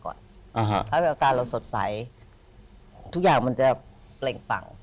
ถ้าแววตาเราสดใสทุกอย่างมันจะเปล่งปัง